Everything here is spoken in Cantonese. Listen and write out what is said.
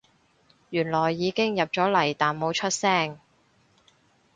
原來已經入咗嚟但冇出聲